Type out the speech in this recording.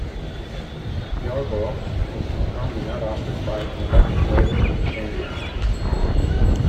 Yarborough was confirmed in that office by an election later the same year.